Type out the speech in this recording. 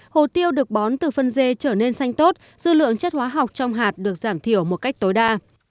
hồ tiêu được bón từ phân dê trở nên xanh tốt dư lượng chất hóa học trong hạt được giảm thiểu một cách tối đa